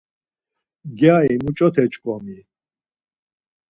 Gyari muç̌ote ç̌oǩomi?